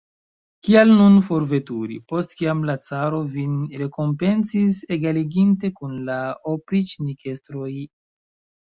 Kial nun forveturi, post kiam la caro vin rekompencis, egaliginte kun la opriĉnikestroj?